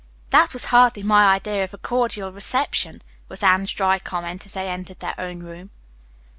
"That was hardly my idea of a cordial reception," was Anne's dry comment as they entered their own room.